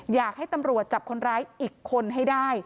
อยากให้ตำรวจจับคนร้ายอีกคนให้ได้